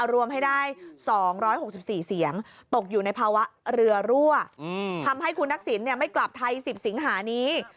รวมให้ได้๒๖๔เสียงตกอยู่ในภาวะเรือรั่วทำให้คุณทักษิณไม่กลับไทย๑๐สิงหานี้